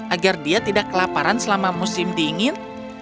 agar dia tidak kelaparan selama musim dingin